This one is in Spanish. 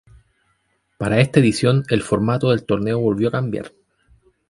Para esta edición, el formato del torneo volvió a cambiar.